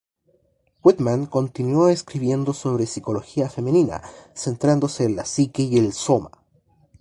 Woodman continuó escribiendo sobre psicología femenina, centrándose en la psique y el soma.